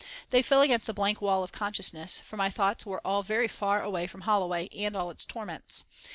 They fell against a blank wall of consciousness, for my thoughts were all very far away from Holloway and all its torments.